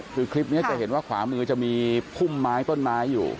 คือคลิปนี้จะเห็นว่าขวามือจะมีพุ่มไม้ต้นไม้อยู่